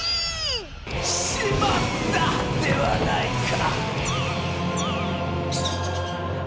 「しまった！」ではないか！